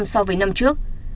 bảy mươi một so với năm trước